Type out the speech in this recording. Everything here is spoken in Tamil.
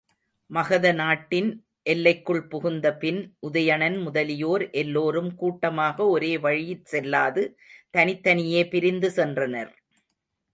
மகத நாட்டின் எல்லைக்குள் புகுந்தபின் உதயணன் முதலியோர் எல்லோரும் கூட்டமாக ஒரே வழியிற்செல்லாது தனித்தனியே பிரிந்து சென்றனர்.